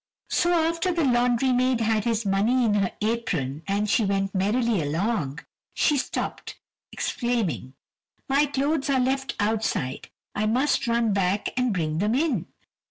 So after the laundry maid had his money in her apron as they went merrily along, she stopt, exclaiming: "My clothes are left outside, I must run back and bring them in."